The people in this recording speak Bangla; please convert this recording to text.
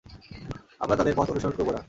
আমরা তাদের পথ অনুসরণ করবো না।